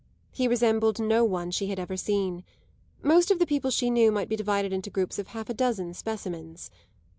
He resembled no one she had ever seen; most of the people she knew might be divided into groups of half a dozen specimens.